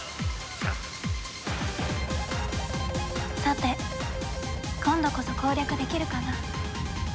さて今度こそ攻略できるかな？